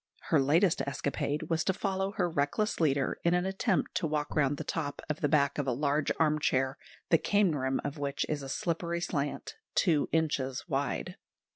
Her latest escapade was to follow her reckless leader in an attempt to walk round the top of the back of a large armchair, the cane rim of which is a slippery slant, two inches wide.